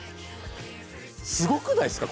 すごくないっすか？